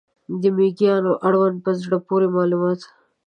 د مېږیانو اړوند په زړه پورې معلومات